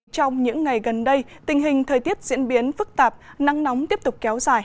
trong những ngày gần đây tình hình thời tiết diễn biến phức tạp nắng nóng tiếp tục kéo dài